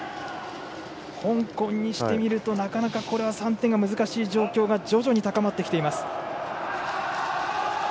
香港にしてみるとなかなか３点が難しい状況が徐々に高まってきています。